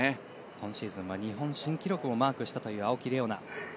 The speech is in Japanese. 今シーズンは日本新記録をマークした青木玲緒樹。